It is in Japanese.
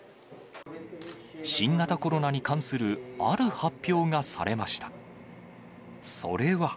新型コロナに関するある発表がされました。